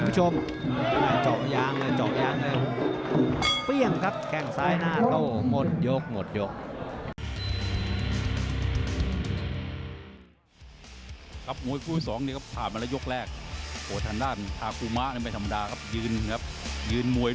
จอกยางเลย